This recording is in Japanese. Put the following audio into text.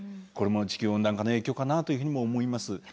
これも地球温暖化の影響かなというふうにも思います。